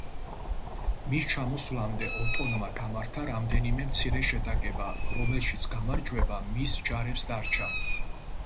მის ჩამოსვლამდე ოტონმა გამართა რამდენიმე მცირე შეტაკება, რომელშიც გამარჯვება მის ჯარებს დარჩა.